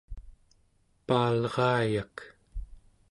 paalraayak